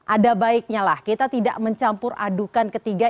ada baiknya lah kita tidak mencampur adukan ketiga